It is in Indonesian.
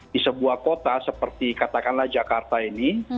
di sebuah kota seperti katakanlah jakarta ini